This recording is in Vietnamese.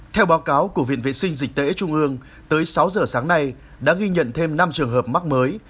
theo báo cáo của viện vệ sinh dịch tễ trung ương tới sáu giờ sáng nay đã ghi nhận thêm năm trường hợp mắc mới